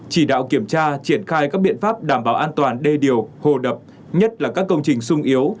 chỉ đạo kiểm tra triển khai các biện pháp đảm bảo an toàn đê điều hồ đập nhất là các công trình sung yếu